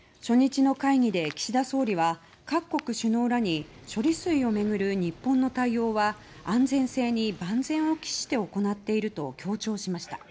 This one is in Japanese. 初日の会議で岸田総理は各国首脳らに処理水を巡る日本の対応は安全性に万全を期して行っていると強調しました。